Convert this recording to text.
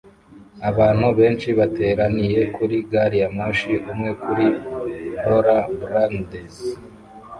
Abantu benshi bateraniye kuri gari ya moshi - umwe kuri rollerblades